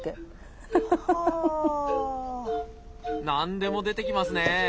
何でも出てきますね。